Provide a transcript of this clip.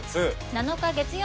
７日月曜。